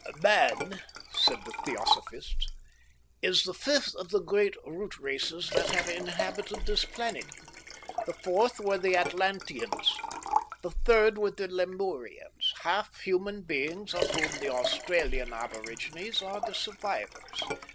"Man," said the Theosophists, "is the fifth of the great root races that have inhabited this planet. The fourth were the Atlanteans. The third were the Lemurians, half human beings of whom the Australian aborigines are the survivors.